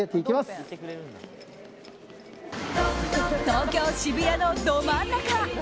東京・渋谷のど真ん中！